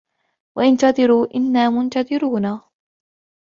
وانتظروا إنا منتظرون